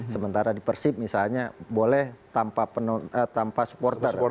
sementara di persib misalnya boleh tanpa supporter